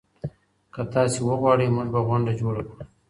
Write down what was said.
که تاسي وغواړئ موږ به غونډه جوړه کړو.